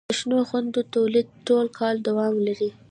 د شنو خونو تولید ټول کال دوام لري.